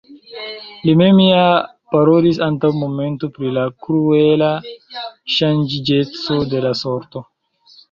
Li mem ja parolis antaŭ momento pri la kruela ŝanĝiĝeco de la sorto!